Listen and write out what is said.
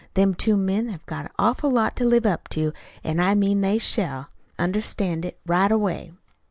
Them two men have got an awful lot to live up to, an' I mean they shall understand it right away."